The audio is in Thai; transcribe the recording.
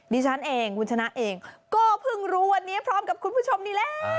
ดิฉันเองคุณชนะเองก็เพิ่งรู้วันนี้พร้อมกับคุณผู้ชมนี่แหละ